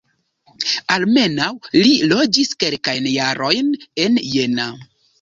Almenaŭ li loĝis kelkajn jarojn en Jena.